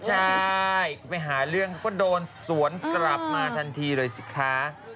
ใช่ไปหาเรื่องเขาก็โดนสวนกลับมาทันทีเลยสิคะ